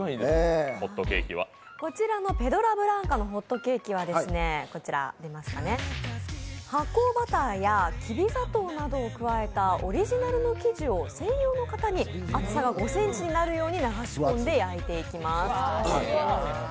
こちらのペドラブランカのホットケーキは発酵バターやきび砂糖などを加えたオリジナルの生地を専用の型に厚さが５ｃｍになるように流し込んで焼いていきます。